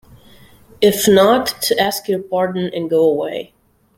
If not, to ask your pardon and go away.